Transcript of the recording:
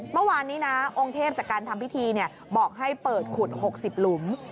เมื่อวานนี้นะองค์เทพจากการทำพิธีบอกให้เปิดขุด๖๐หลุม